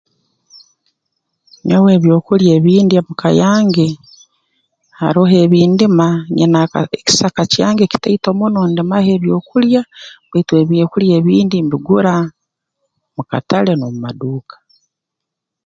Nyowe ebyokulya ebi ndya mu ka yange haroho ebi ndima nyina aka ekisaka kyange kitaito muno ndimaho ebyokulya baitu ebyokulya ebindi mbigura mu katale n'omu maduuka